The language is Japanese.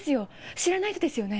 知らない人ですよね？